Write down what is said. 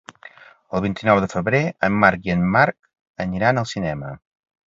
El vint-i-nou de febrer en Marc i en Marc aniran al cinema.